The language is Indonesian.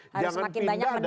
harus semakin banyak menunya